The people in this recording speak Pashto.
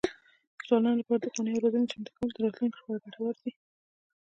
د ځوانانو لپاره د ښوونې او روزنې چمتو کول د راتلونکي لپاره ګټور دي.